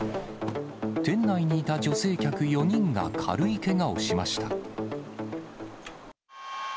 店内にいた女性客４人が軽いけがをしました。